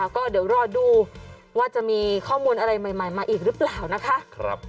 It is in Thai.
ก็เดี๋ยวรอดูว่าจะมีข้อมูลอะไรใหม่มาอีกหรือเปล่านะคะ